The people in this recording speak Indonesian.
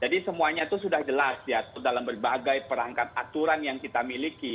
jadi semuanya itu sudah jelas ya dalam berbagai perangkat aturan yang kita miliki